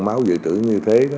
máu giữ trữ như thế